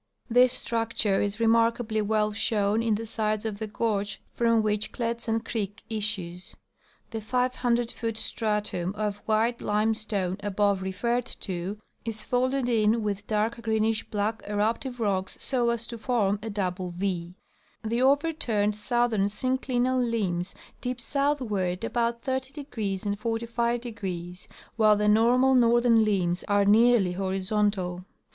This structure is remarkably well shown in the sides of the gorge from which Kletsan creek issues. The 500 foot stratum of white limestone above referred to is folded in with dark greenish black eruptive rocks so as to form a double V ; the overturned southern synclinal limbs dip southward about 30° and 45°, while the normal northern limbs are nearly hori zontal.